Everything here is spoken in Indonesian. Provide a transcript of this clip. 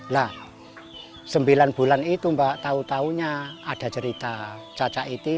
lah sembilan bulan itu mbak tahu tahunya ada cerita cacak itu